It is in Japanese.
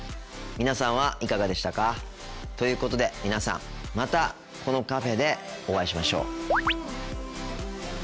皆さんはいかがでしたか？ということで皆さんまたこのカフェでお会いしましょう。